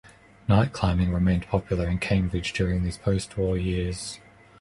Night climbing remained popular in Cambridge during these post-war years.